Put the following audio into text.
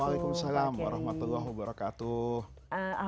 waalaikumsalam warahmatullahi wabarakatuh